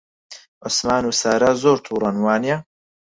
عوسمان و سارا زۆر تووڕەن، وانییە؟